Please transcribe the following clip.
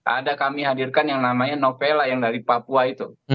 ada kami hadirkan yang namanya novela yang dari papua itu